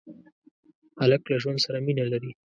هلک له ژوند سره مینه لري.